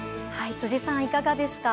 辻さん、いかがですか？